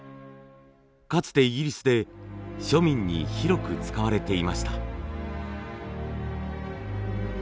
かつてイギリスで庶民に広く使われていました。